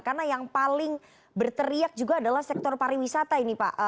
karena yang paling berteriak juga adalah sektor pariwisata ini pak